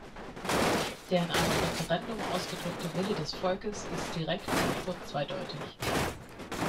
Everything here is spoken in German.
Der in einem Referendum ausgedrückte Wille des Volkes ist direkt und unzweideutig.